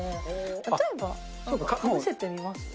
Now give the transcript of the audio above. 例えば。かぶせてみます？